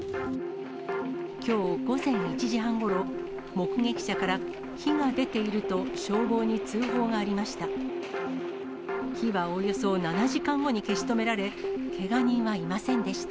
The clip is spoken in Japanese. きょう午前１時半ごろ、目撃者から、火が出ていると消防に通報がありました。